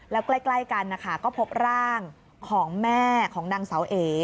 แล้วใกล้กันนะคะก็พบร่างของแม่ของนางเสาเอ